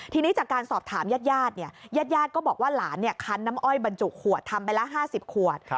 ทีนี้จากการสอบถามญาติเนี่ยญาติญาติก็บอกว่าหลานคันน้ำอ้อยบรรจุขวดทำไปละ๕๐ขวด